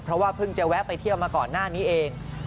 เพราะว่าเพิ่งจะแวะไปเที่ยวมาก่อนหน้านี้เอง